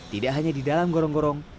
tidak hanya di dalam gorong gorong